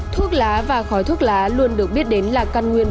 thuốc lá và khói thuốc lá luôn được biết đến là căn nguyên